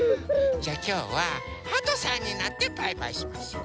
じゃあきょうははとさんになってバイバイしましょう。